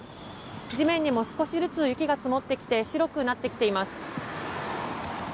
地面にも少しずつ雪が積もってきて白くなっています。